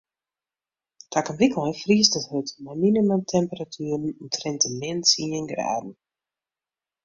Takom wykein friest it hurd mei minimumtemperatueren omtrint de min tsien graden.